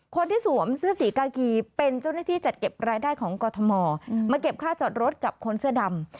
สวมเสื้อสีกากีเป็นเจ้าหน้าที่จัดเก็บรายได้ของกรทมมาเก็บค่าจอดรถกับคนเสื้อดำ